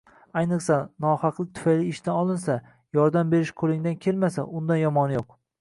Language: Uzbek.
Ayniqsa, nohaqlik tufayli ishdan olishsa, yordam berish qoʻlingdan kelmasa, undan yomoni yoʻq...